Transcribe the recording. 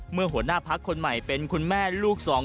เมื่อหัวหน้าภักดิ์คนใหม่เป็นคุณแม่ลูกสอง